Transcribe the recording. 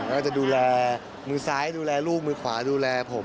ก็จะดูแลมือซ้ายดูแลลูกมือขวาดูแลผม